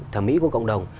thẩm mỹ của cộng đồng